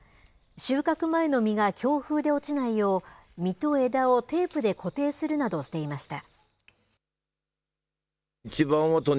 収穫前の実が強風で落ちないよう、実と枝をテープで固定するなどしていました。